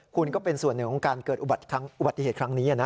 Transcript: คุณก็เป็นส่วนหนึ่งของการเกิดอุบัติเหตุครั้งนี้นะ